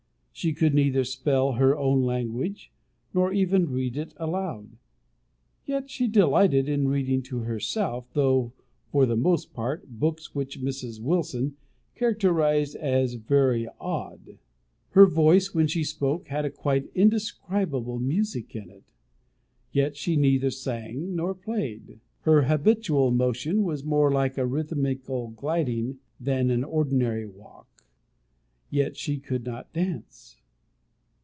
She could neither spell her own language, nor even read it aloud. Yet she delighted in reading to herself, though, for the most part, books which Mrs. Wilson characterised as very odd. Her voice, when she spoke, had a quite indescribable music in it; yet she neither sang nor played. Her habitual motion was more like a rhythmical gliding than an ordinary walk, yet she could not dance.